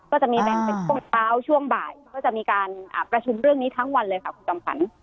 ก็จะมีแบ่งเป็นช่วงเช้าช่วงบ่ายก็จะมีการประชุมเรื่องนี้ทั้งวันเลยค่ะคุณจอมขวัญ